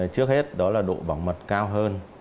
trước hết đó là độ bảo mật cao hơn